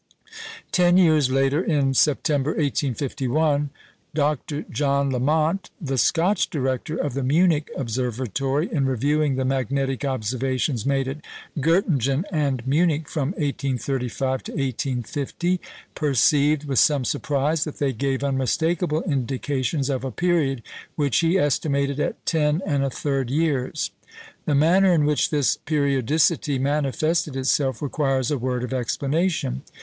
Ten years later, in September, 1851, Dr. John Lamont, the Scotch director of the Munich Observatory, in reviewing the magnetic observations made at Göttingen and Munich from 1835 to 1850, perceived with some surprise that they gave unmistakable indications of a period which he estimated at 10 1/3 years. The manner in which this periodicity manifested itself requires a word of explanation.